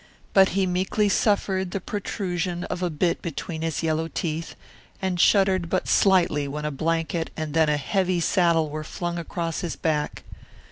But he meekly suffered the protrusion of a bit between his yellow teeth, and shuddered but slightly when a blanket and then a heavy saddle were flung across his back.